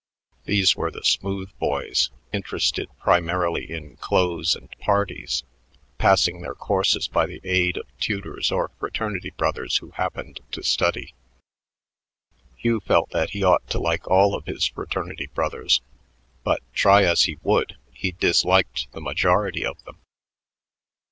These were the "smooth boys," interested primarily in clothes and "parties," passing their courses by the aid of tutors or fraternity brothers who happened to study. Hugh felt that he ought to like all of his fraternity brothers, but, try as he would, he disliked the majority of them.